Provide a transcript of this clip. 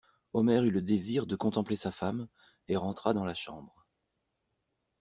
Omer eut le désir de contempler sa femme, et rentra dans la chambre.